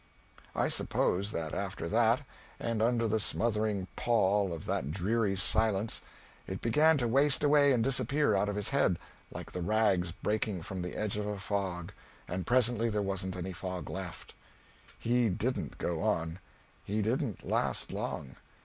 I suppose that after that, and under the smothering pall of that dreary silence, it began to waste away and disappear out of his head like the rags breaking from the edge of a fog, and presently there wasn't any fog left. He didn't go on he didn't last long.